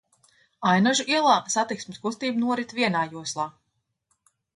Ainažu ielā satiksmes kustība norit vienā joslā.